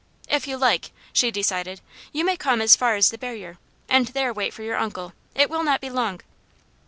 "If you like," she decided, "you may come as far as the barrier, and there wait for your uncle. It will not be long."